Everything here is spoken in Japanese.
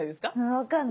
分かんない。